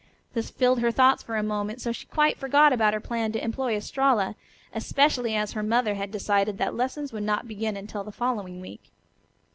This filled her thoughts for the moment, so she quite forgot about her plan to employ Estralla, especially as her mother had decided that lessons would not begin until the following week.